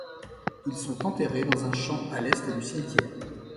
Ils sont enterrés dans un champ à l'est du cimetière.